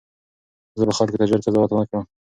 زه به خلکو ته ژر قضاوت ونه کړم.